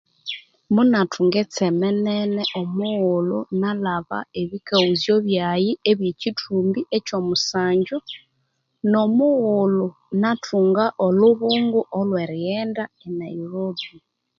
Munathunga etseme nene omughulhu nalhaba ebikaghuzyo byayi ebye ekyithumbi ekyo omusanju no omughulhu nathunga olhubungo olhweri ghenda e Nairobi.